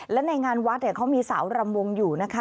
และในงานวัดเขามีสาวรำวงอยู่นะคะ